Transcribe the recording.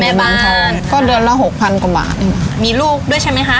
บางท่านก็เดือนละหกพันกว่าบาทมีลูกด้วยใช่ไหมคะ